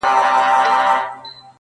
او فضا غمجنه ښکاري ډېر,